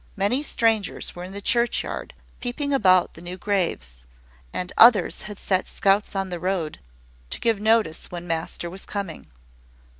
Many strangers were in the churchyard, peeping about the new graves: and others had set scouts on the road, to give notice when master was coming.